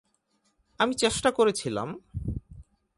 আমি চেষ্টা করেছিলাম।